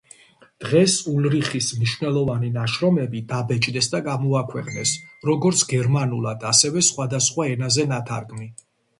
დღეს ულრიხის მნიშვნელოვანი ნაშრომები დაბეჭდეს და გამოაქვეყნეს, როგორც გერმანულად, ასევე სხვადასხვა ენაზე ნათარგმნი.